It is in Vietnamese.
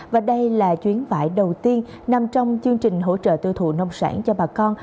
và đây là chuyến vải đầu tiên nằm trong chương trình hỗ trợ tiêu thụ nông sản cho bà con